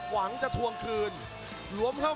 หัวจิตหัวใจแก่เกินร้อยครับ